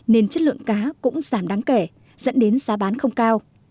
nên chất lượng cá cũng giảm đáng kể dẫn đến giá bán không cao